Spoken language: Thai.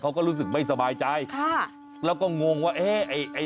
เขาก็รู้สึกไม่สบายใจค่ะแล้วก็งงว่าเอ๊ะไอ้ไอ้